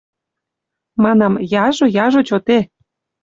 Манам: «Яжо, яжо чоте